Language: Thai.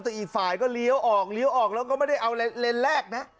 แต่อีฝ่ายก็เลี้ยวออกแล้วก็ไม่ได้เอาเลนแลกนะ